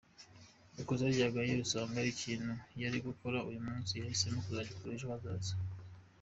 Ikosa ba Gaëlle usanga ikintu yari gukora uyu munsi ahisemo kuzagikora ejo hazaza.